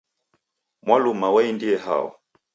Mwaluma waendie hao?